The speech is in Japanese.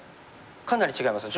かなり違います。